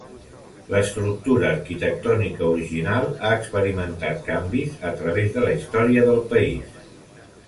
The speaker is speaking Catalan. L'estructura arquitectònica original ha experimentat canvis a través de la història del país.